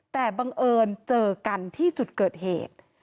แต่บังเอิญเจอกันที่จุดเกิดเหตุ